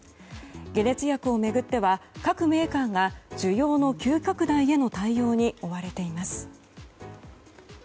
解熱薬を巡っては各メーカーが需要の急拡大への対応に追われています。